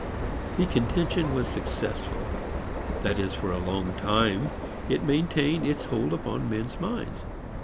The contention was successful, that is for a long time it maintained its hold upon men's minds.